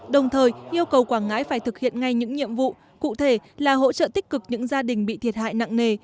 đồng thời yêu cầu quảng ngãi phải thực hiện ngay những nhiệm vụ cụ thể là hỗ trợ tích cực những gia đình bị thiệt hại nặng nề